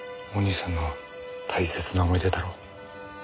お兄さんの大切な思い出だろ。